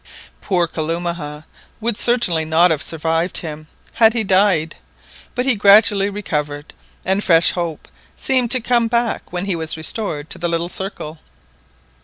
Poor Kalumah would certainly not have survived him had he died, but he gradually recovered, and fresh hope seemed to come back when he was restored to the little circle.